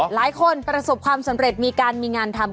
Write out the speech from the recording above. ประสบความสำเร็จมีการมีงานทำ